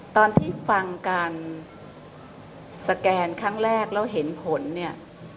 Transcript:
ตอนที่ฟังการสแกนครั้งแรกแล้วเห็นผลเนี่ย